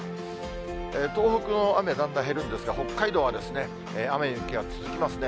東北の雨、だんだん減るんですが、北海道は雨や雪が続きますね。